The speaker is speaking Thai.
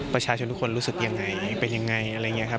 ประชาชนทุกคนรู้สึกยังไงเป็นยังไงอะไรอย่างนี้ครับ